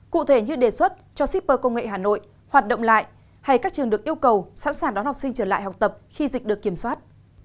cụ thể như đề xuất cho shipper công nghệ hà nội hoạt động lại hay các trường được yêu cầu sẵn sàng đón học sinh trở lại học tập khi dịch được kiểm soát